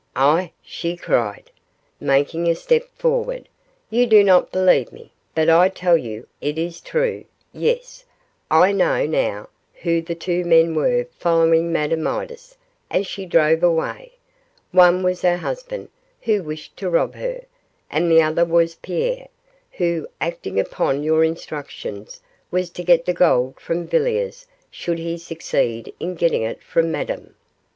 'Ah!' she cried, making a step forward, 'you do not believe me, but I tell you it is true yes, I know now who the two men were following Madame Midas as she drove away: one was her husband, who wished to rob her, and the other was Pierre, who, acting upon your instructions, was to get the gold from Villiers should he succeed in getting it from Madame.